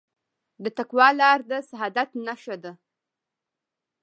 د تقوی لاره د سعادت نښه ده.